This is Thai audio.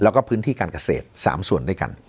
แล้วก็พื้นที่การเกษตร๓ส่วนด้วยกัน